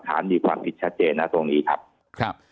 ท่านรองโฆษกครับ